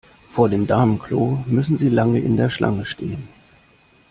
Vor dem Damenklo müssen Sie lange in der Schlange stehen.